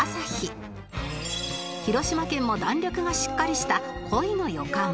広島県も弾力がしっかりした恋の予感